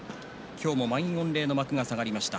今日も満員御礼の幕が下がりました。